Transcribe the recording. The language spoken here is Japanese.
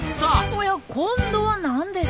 おや今度はなんですか？